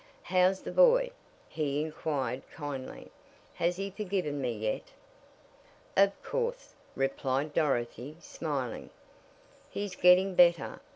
"How's the boy?" he inquired kindly. "Has he forgiven me yet?" "Of course," replied Dorothy, smiling. "He's getting better.